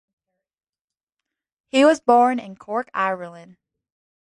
He was born in Cork, Ireland.